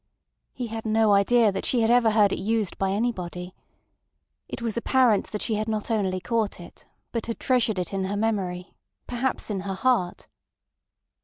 He had no idea that she had ever heard it used by anybody. It was apparent that she had not only caught it, but had treasured it in her memory—perhaps in her heart.